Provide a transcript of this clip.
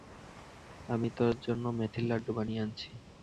আমি তোর জন্যে মেথির লাড্ডু বানিয়ে আনছি।